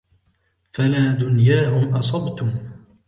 فَلَا دُنْيَاهُمْ أَصَبْتُمْ